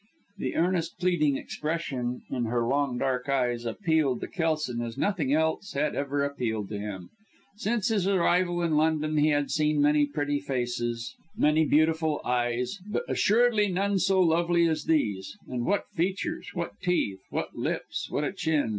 The earnest, pleading expression in her long, dark eyes appealed to Kelson as nothing else had ever appealed to him. Since his arrival in London, he had seen many pretty faces, many beautiful eyes, but assuredly none so lovely as these. And what features! what teeth! what lips! what a chin!